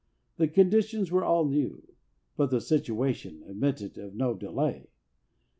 The conditions were all new, but the situation admitted of no delay.